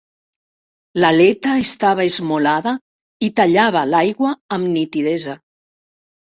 L'aleta estava esmolada i tallava l'aigua amb nitidesa.